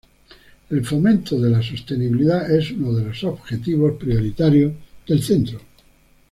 El fomento de la sostenibilidad es uno de los objetivos prioritarios del Centro.